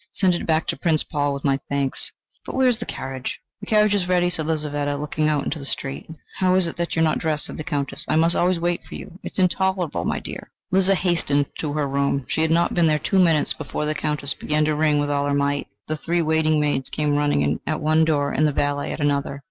Send it back to Prince Paul with my thanks... But where is the carriage?" "The carriage is ready," said Lizaveta, looking out into the street. "How is it that you are not dressed?" said the Countess: "I must always wait for you. It is intolerable, my dear!" Liza hastened to her room. She had not been there two minutes, before the Countess began to ring with all her might. The three waiting maids came running in at one door and the valet at another.